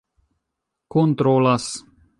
kontrolas